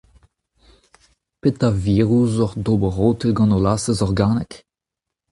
Petra a vir ouzhocʼh d’ober rotel gant ho lastez organek ?